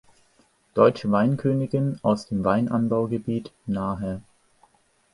Deutsche Weinkönigin aus dem Weinanbaugebiet Nahe.